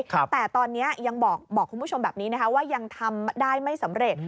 แต่ตอนนี้ยังบอกคุณผู้ชมแบบนี้นะคะว่ายังทำได้ไม่สำเร็จ